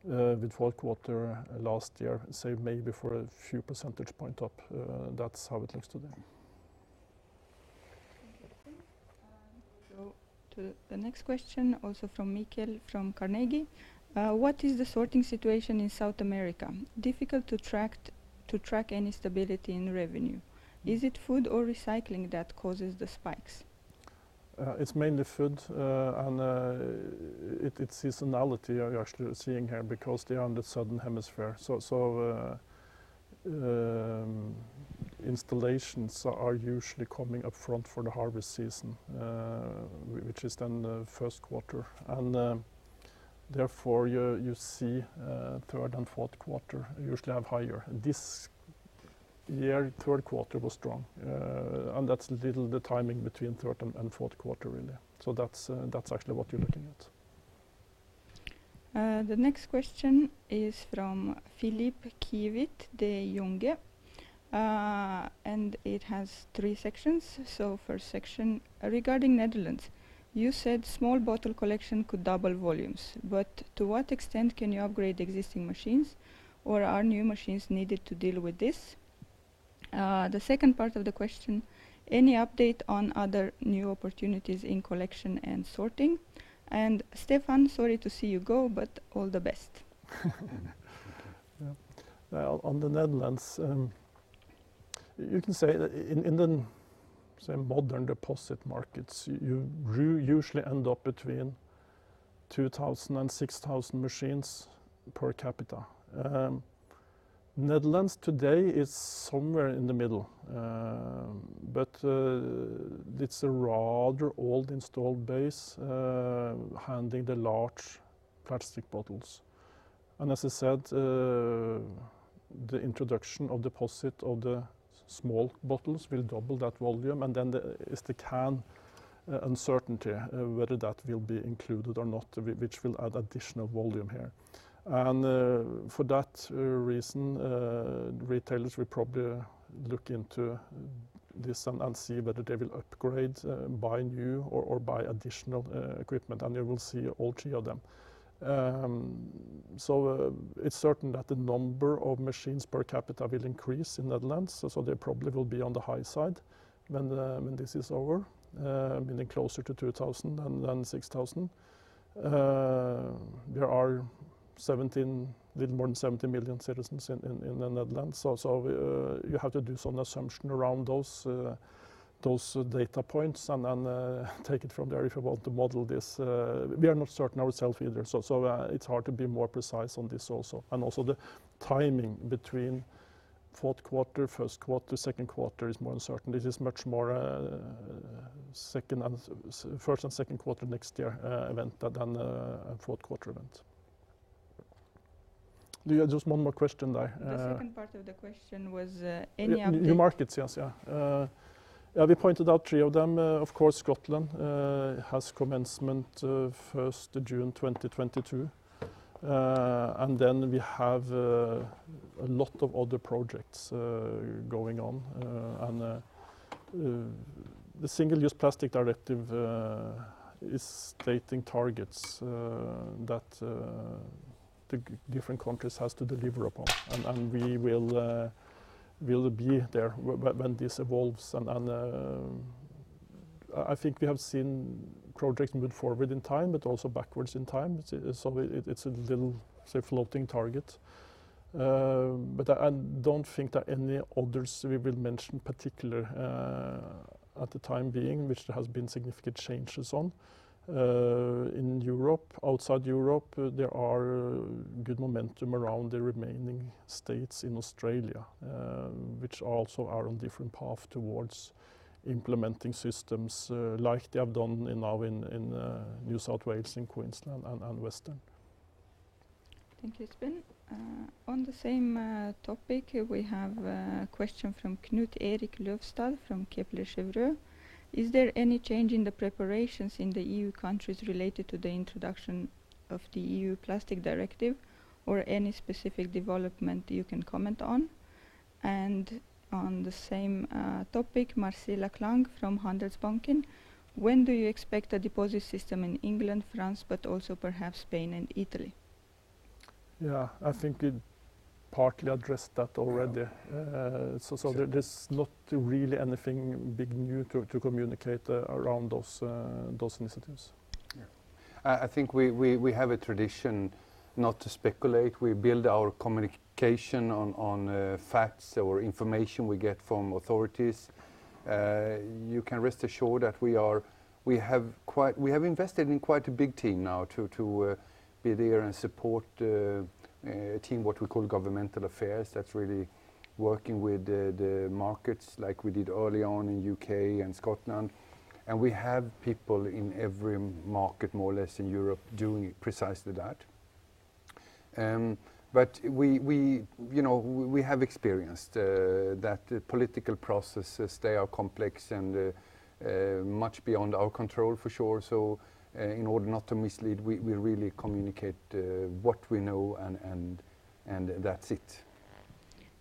with fourth quarter last year, save maybe for a few percentage point up. That's how it looks today. Thank you. We go to the next question, also from Mikkel from Carnegie: "What is the sorting situation in South America? Difficult to track any stability in revenue. Is it Food or Recycling that causes the spikes? It's mainly Food, and it's seasonality you're actually seeing here because they are on the southern hemisphere. Installations are usually coming up front for the harvest season, which is then the first quarter. Therefore, you see third and fourth quarter usually have higher. This year, third quarter was strong, and that's a little the timing between third and fourth quarter, really. That's actually what you're looking at. The next question is from Philippe Kievit, Degroof Petercam, and it has three sections. First section: "Regarding Netherlands, you said small bottle collection could double volumes, but to what extent can you upgrade existing machines, or are new machines needed to deal with this?" The second part of the question: "Any update on other new opportunities in Collection and Sorting? And Stefan, sorry to see you go, but all the best. Well, on the Netherlands, you can say that in the modern deposit markets, you usually end up between 2,000 and 6,000 machines per capita. Netherlands today is somewhere in the middle. It's a rather old installed base, handling the large plastic bottles. As I said, the introduction of deposit of the small bottles will double that volume, and then there is the can uncertainty, whether that will be included or not, which will add additional volume here. For that reason, retailers will probably look into this and see whether they will upgrade, buy new, or buy additional equipment, and they will see all three of them. It's certain that the number of machines per capita will increase in Netherlands, so they probably will be on the high side when this is over, meaning closer to 2,000 than 6,000. Little more than 17 million citizens in the Netherlands. You have to do some assumption around those data points and then take it from there if you want to model this. We are not certain ourselves either, it's hard to be more precise on this also. Also the timing between fourth quarter, first quarter, second quarter is more uncertain. This is much more first and second quarter next year event than a fourth quarter event. Do you have just one more question there? The second part of the question was, any update? New markets, yes. Yeah. We pointed out three of them. Of course, Scotland has commencement 1st of June 2022. We have a lot of other projects going on. The Single-Use Plastics Directive is stating targets that the different countries has to deliver upon. We will be there when this evolves and I think we have seen projects move forward in time, but also backwards in time. It's a little, say, floating target. I don't think that any others we will mention particular at the time being, which there has been significant changes on. In Europe, outside Europe, there are good momentum around the remaining states in Australia, which also are on different path towards implementing systems like they have done now in New South Wales, in Queensland and Western. Thank you, Espen. On the same topic, we have a question from Knut-Erik Løvstad from Kepler Cheuvreux. Is there any change in the preparations in the EU countries related to the introduction of the Single-Use Plastics Directive or any specific development you can comment on? On the same topic, Marcela Klang from Handelsbanken. When do you expect a deposit system in England, France, but also perhaps Spain and Italy? Yeah, I think we partly addressed that already. There's not really anything big new to communicate around those initiatives. Yeah. I think we have a tradition not to speculate. We build our communication on facts or information we get from authorities. You can rest assured that we have invested in quite a big team now to be there and support a team what we call governmental affairs, that's really working with the markets like we did early on in U.K. and Scotland. We have people in every market more or less in Europe doing precisely that. We have experienced that political processes, they are complex and much beyond our control for sure. In order not to mislead, we really communicate what we know and that's it.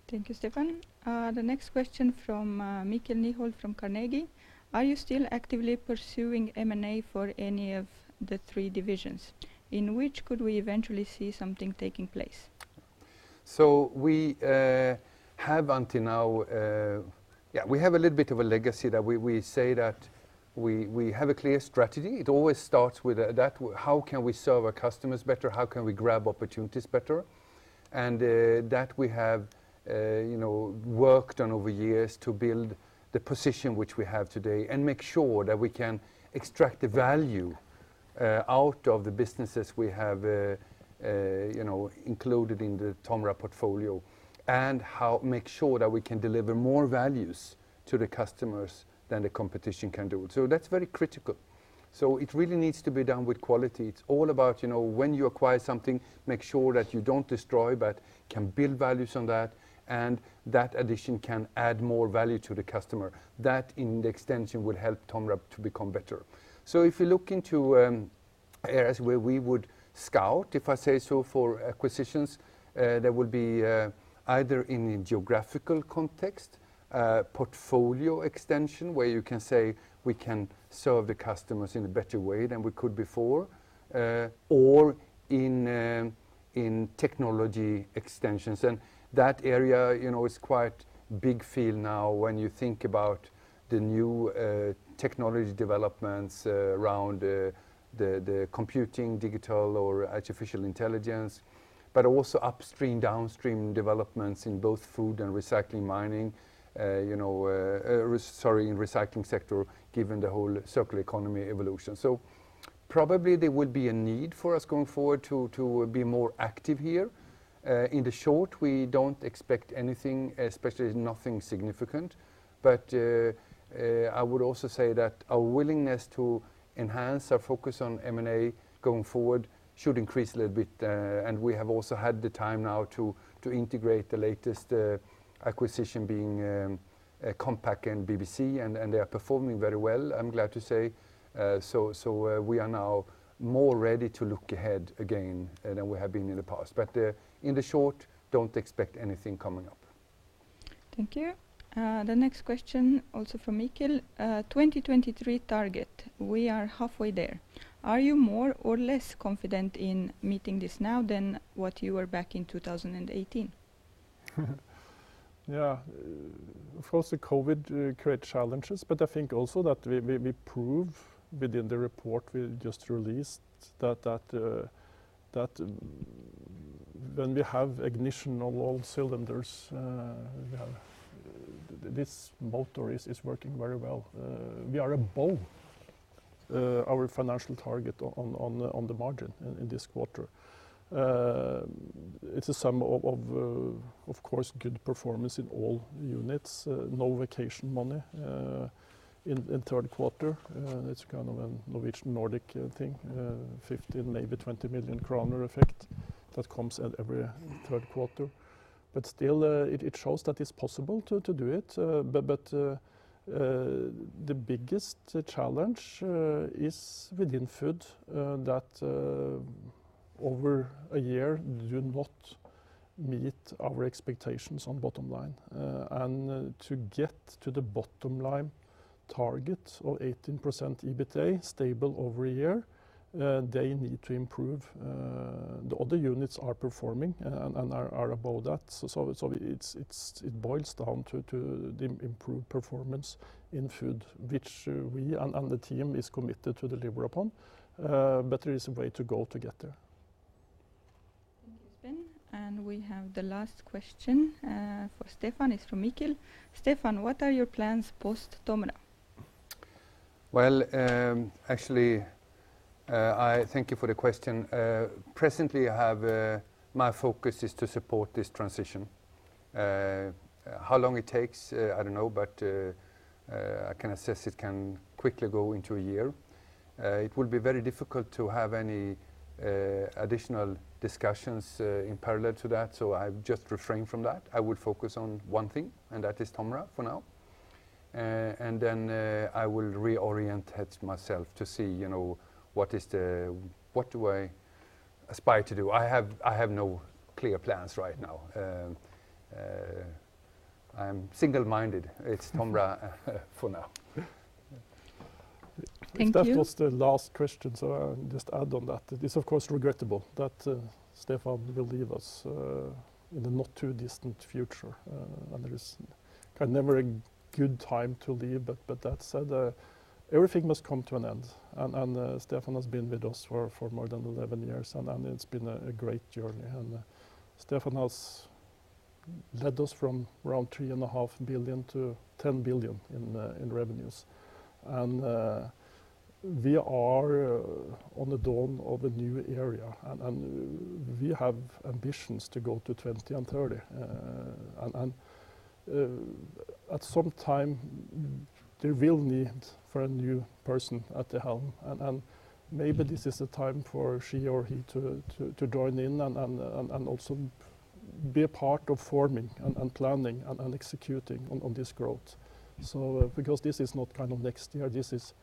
Thank you, Stefan. The next question from Mikkel Nyholt from Carnegie. Are you still actively pursuing M&A for any of the three divisions? In which could we eventually see something taking place? We have a little bit of a legacy that we say that we have a clear strategy. It always starts with that. How can we serve our customers better? How can we grab opportunities better? That we have worked on over years to build the position which we have today and make sure that we can extract the value out of the businesses we have included in the TOMRA portfolio and make sure that we can deliver more values to the customers than the competition can do. That's very critical. It really needs to be done with quality. It's all about when you acquire something, make sure that you don't destroy, but can build values on that, and that addition can add more value to the customer. That in the extension will help TOMRA to become better. If you look into areas where we would scout, if I say so, for acquisitions that would be either in geographical context, portfolio extension, where you can say we can serve the customers in a better way than we could before or in technology extensions. That area is quite big field now when you think about the new technology developments around the computing digital or artificial intelligence, but also upstream, downstream developments in both Food and in Recycling sector given the whole Circular Economy evolution. Probably there would be a need for us going forward to be more active here. In the short, we don't expect anything, especially nothing significant. I would also say that our willingness to enhance our focus on M&A going forward should increase a little bit, and we have also had the time now to integrate the latest acquisition being Compac and BBC, and they are performing very well, I'm glad to say. We are now more ready to look ahead again than we have been in the past, but in the short, don't expect anything coming up. Thank you. The next question also from Mikkel. 2023 target, we are halfway there. Are you more or less confident in meeting this now than what you were back in 2018? First, the COVID created challenges. I think also that we proved within the report we just released that when we have ignition on all cylinders, this motor is working very well. We are above our financial target on the margin in this quarter. It's a sum, of course, good performance in all units, no vacation money in third quarter. It's kind of a Norwegian Nordic thing, 15 million, maybe 20 million kroner effect that comes at every third quarter. Still, it shows that it's possible to do it. The biggest challenge is within Food that over a year did not meet our expectations on bottom line. To get to the bottom line target of 18% EBITA stable over a year, they need to improve. The other units are performing and are above that. It boils down to the improved performance in Food, which we and the team is committed to deliver upon. There is a way to go to get there. Thank you, Espen. We have the last question for Stefan is from Mikkel. Stefan, what are your plans post TOMRA? Well, actually, thank you for the question. Presently, my focus is to support this transition. How long it takes, I don't know, but I can assess it can quickly go into a year. It will be very difficult to have any additional discussions in parallel to that. I'll just refrain from that. I would focus on one thing. That is TOMRA for now. I will reorient myself to see what do I aspire to do. I have no clear plans right now. I am single-minded. It's TOMRA for now. Thank you. If that was the last question, I'll just add on that. It is, of course, regrettable that Stefan will leave us in the not too distant future. There is never a good time to leave. That said, everything must come to an end. Stefan has been with us for more than 11 years, and it's been a great journey. Stefan has led us from around 3.5 billion-10 billion in revenues. We are on the dawn of a new era, and we have ambitions to go to 20 billion and 30 billion. At some time, there will need for a new person at the helm, and maybe this is the time for she or he to join in and also be a part of forming and planning and executing on this growth. Because this is not next year, this is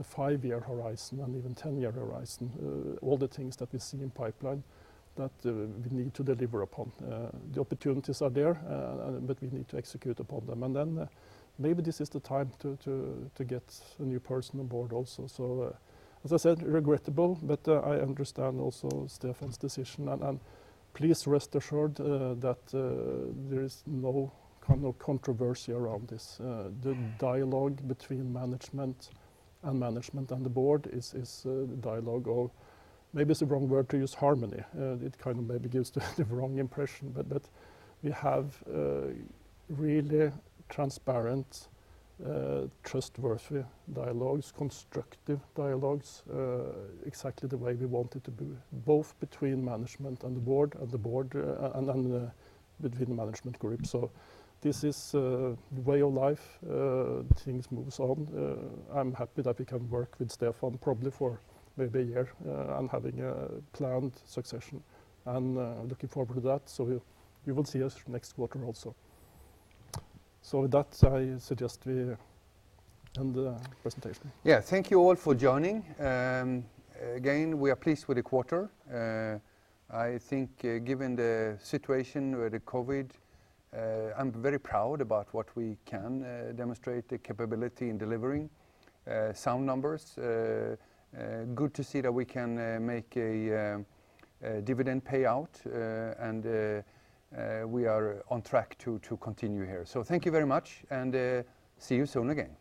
a five-year horizon and even 10-year horizon. All the things that we see in pipeline that we need to deliver upon. The opportunities are there, but we need to execute upon them. Maybe this is the time to get a new person on board also. As I said, regrettable, but I understand also Stefan's decision. Please rest assured that there is no controversy around this. The dialogue between management and management and the board is the dialogue or maybe it's the wrong word to use, harmony. It maybe gives the wrong impression. We have really transparent, trustworthy dialogues, constructive dialogues, exactly the way we want it to be, both between management and the board, and the board and between the management group. This is a way of life, things move on. I'm happy that we can work with Stefan probably for maybe a year and having a planned succession, and looking forward to that. You will see us next quarter also. With that, I suggest we end the presentation. Thank you all for joining. Again, we are pleased with the quarter. I think given the situation with the COVID, I'm very proud about what we can demonstrate the capability in delivering sound numbers. Good to see that we can make a dividend payout, and we are on track to continue here. Thank you very much, and see you soon again.